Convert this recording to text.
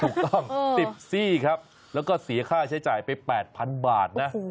ถูกต้อง๑๐ซี่ครับแล้วก็เสียค่าใช้จ่ายไป๘๐๐๐บาทนะ